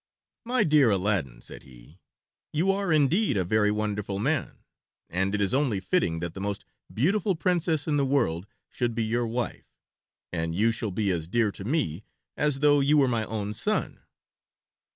"My dear Aladdin," said he, "you are indeed a very wonderful man, and it is only fitting that the most beautiful princess in the world should be your wife, and you shall be as dear to me as though you were my own son."